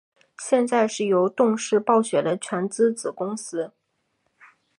现在是由动视暴雪的全资子公司。